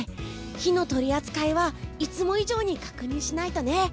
火の取り扱いはいつも以上に確認しないとね。